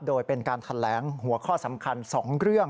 โดยเป็นการแถลงหัวข้อสำคัญ๒เรื่อง